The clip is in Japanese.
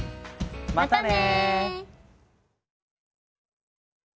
またね！